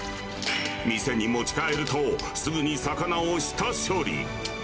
店に持ち帰ると、すぐに魚を下処理。